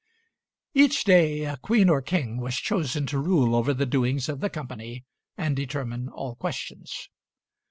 [Footnote 3: Each day a Queen or King was chosen to rule over the doings of the company and determine all questions.